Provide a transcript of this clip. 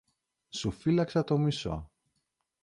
Σου φύλαξα το μισό.